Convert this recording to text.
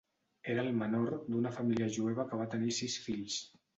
Era el menor d'una família jueva que va tenir sis fills.